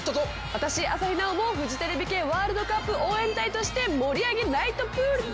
私朝日奈央もフジテレビ系ワールドカップ応援隊として盛り上げナイトプールです。